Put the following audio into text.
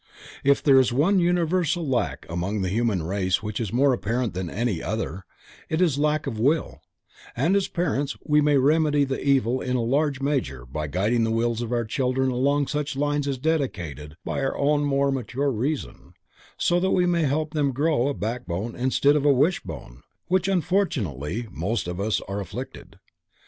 If there is one universal lack among the human race which is more apparent than any other, it is lack of will, and as parents we may remedy the evil in a large measure by guiding the wills of our children along such lines as dictated by our own more mature reason, so that we help them to grow a backbone instead of a wishbone with which unfortunately most of us are afflicted.